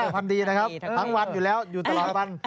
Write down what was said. ทำดีนะครับทั้งวันอยู่แล้วอยู่ตลอดวัน